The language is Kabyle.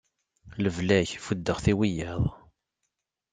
Lebla-k buddeɣ-t i wiyyaḍ.